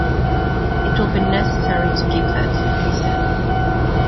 "It will be necessary to keep that," he said.